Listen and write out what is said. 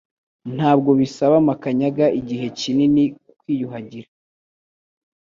Ntabwo bisaba Makanyaga igihe kinini kwiyuhagira